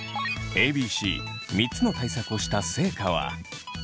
ＡＢＣ３つの対策をした成果は？